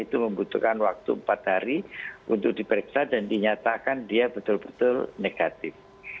itu membutuhkan waktu empat hari untuk diperiksa dan dinyatakan dia betul betul negatif